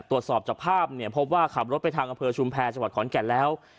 ตรวจสอบจากภาพเนี่ยพบว่าขับรถไปทางอำเภอชุมแพรจังหวัดขอนแก่นแล้ว